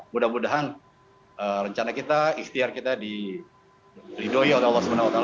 mudah mudahan rencana kita ikhtiar kita diridoi oleh allah swt